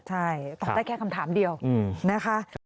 ใช่ตอบได้แค่คำถามเดียวนะคะ